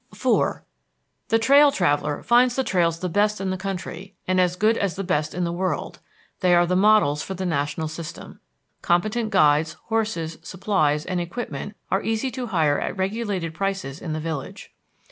IV The trail traveller finds the trails the best in the country, and as good as the best in the world; they are the models for the national system. Competent guides, horses, supplies, and equipment are easy to hire at regulated prices in the village.